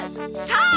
さあ！